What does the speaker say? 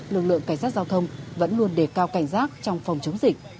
lực lượng cảnh sát giao thông vẫn luôn đề cao cảnh giác trong phòng chống dịch